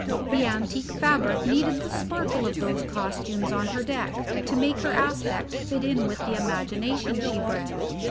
The antique fabric needed the sparkle of those costumes on her deck to make her aspect fit in with the imaginations she bred.